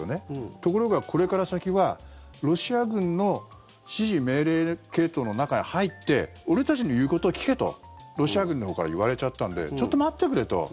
ところが、これから先はロシア軍の指示命令系統の中に入って俺たちの言うことを聞けとロシア軍のほうから言われちゃったのでちょっと待ってくれと。